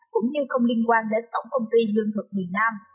cũng như không liên quan đến tổng công ty lương thực miền nam